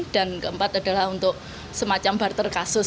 dan keempat adalah untuk semacam barter kasus